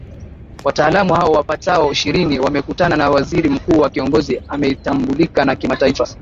wataalamu hao wapatao ishirini wamekutana na waziri mkuu wa kiongozi anaetambulika na kimataifa